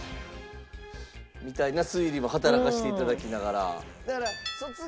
みたいな推理も働かせて頂きながら。